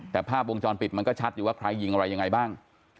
แต่ภาพวงจรปิดมันก็ชัดอยู่ว่าใครยิงอะไรยังไงบ้าง